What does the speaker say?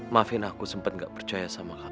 maafin aku sempet gak percaya sama kamu